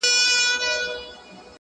ځي له وطنه خو په هر قدم و شاته ګوري~